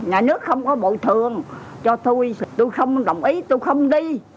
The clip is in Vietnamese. nhà nước không có bồi thường cho tôi tôi không đồng ý tôi không đi